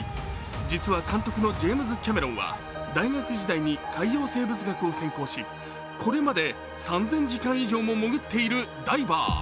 実は監督のジェームズ・キャメロンは、大学時代に海洋生物学を専攻し、これまで３０００時間以上潜っているダイバー。